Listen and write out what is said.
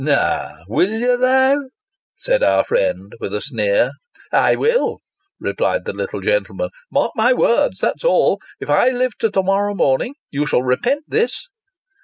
" No ; will you though ?" said our friend, with a sneer. " I will," replied the little gentleman, " mark my words, that's all. If I live till to morrow morning, you shall repent this."